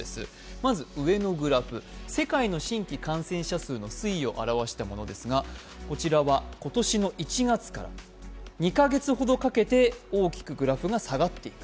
まず上のグラフは上は世界の新規感染者数の推移を現したものですが、こちらは今年の１月から２カ月ほどかけて大きくグラフが下がっていく。